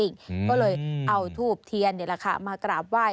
ก็เลยเอาทูบเทียนมากราบไหว้